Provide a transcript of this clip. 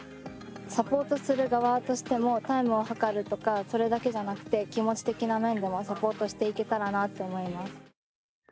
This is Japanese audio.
サポートする側としてもタイムを計るとかそれだけじゃなくて気持的な面でもサポートしていけたらなって思います。